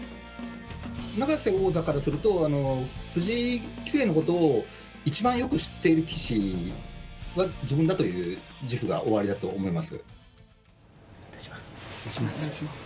永瀬王座からすると、藤井棋聖のことを一番よく知っている棋士は、自分だという自負がおありだと思います。